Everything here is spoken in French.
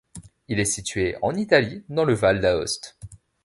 Il est situé en Italie, dans le Val d'Aoste.